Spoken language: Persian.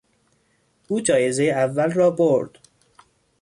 او جایزهی اول را برد.